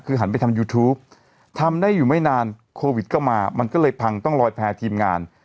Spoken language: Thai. คือหันไปทำยูทูปทำได้อยู่ไม่นานโควิดก็มามันก็เลยพังต้องลอยแพ้ทีมงาน